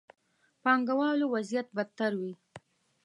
پانګه والو وضعيت بدتر وي.